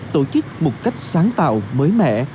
tổ chức một cách sáng tạo mới mẻ